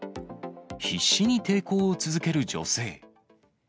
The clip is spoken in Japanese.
必死に抵抗を続ける女性。